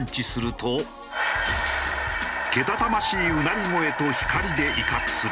けたたましいうなり声と光で威嚇する。